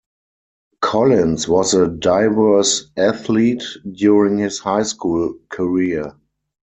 Collins was a diverse athlete during his high school career.